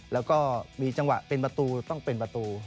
แล้วก็มีจังหวะเป็นประตูต้องเป็นประตู